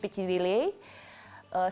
yang kedua dia mengalami speech delay